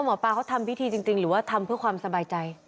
หมอปลาเขาทำพิธีจริงหรือว่าทำเพื่อความสบายใจ